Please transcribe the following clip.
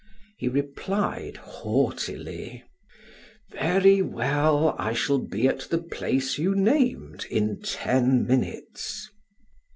He replied haughtily: "Very well, I shall be at the place you named in ten minutes."